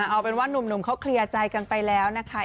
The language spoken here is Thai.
เอาเป็นว่านุ่มเขาเคลียร์ใจกันไปแล้วนะคะ